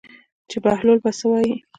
چې بهلول به څه وایي.